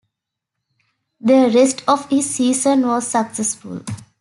The rest of his season was successful.